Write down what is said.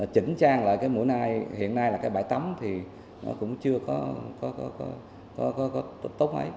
chỉnh trang lại cái mũi nai hiện nay là cái bãi tắm thì nó cũng chưa có tốt mấy